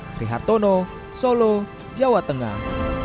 sri hartono solo jawa tengah